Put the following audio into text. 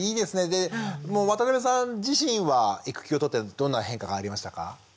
で渡邊さん自身は育休取ってどんな変化がありましたか？